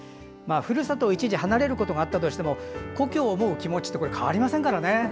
ふるさとを、一時離れることがあったとしても故郷を思う気持ちは変わりませんからね。